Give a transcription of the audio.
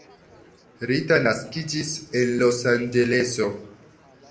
Rita naskiĝis en Losanĝeleso.